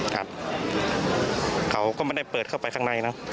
ครับเขาก็ไม่ได้เปิดเข้าไปข้างในเนอะ